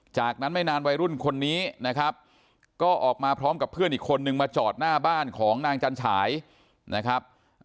จากนั้นไม่นานวัยรุ่นคนนี้นะครับก็ออกมาพร้อมกับเพื่อนอีกคนนึงมาจอดหน้าบ้านของนางจันฉายนะครับ